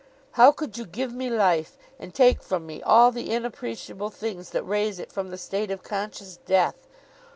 'How could you give me life, and take from me all the inappreciable things that raise it from the state of conscious death?